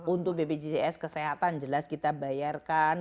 untuk bpjs kesehatan jelas kita bayarkan